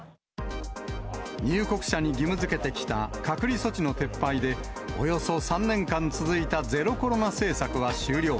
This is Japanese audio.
入国者に義務づけてきた隔離措置の撤廃で、およそ３年間続いたゼロコロナ政策は終了。